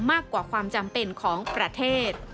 มากกว่าความจำเป็นของประเทศ